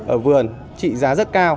ở vườn trị giá rất cao